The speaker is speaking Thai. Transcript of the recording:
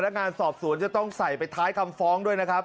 งานสอบสวนจะต้องใส่ไปท้ายคำฟ้องด้วยนะครับ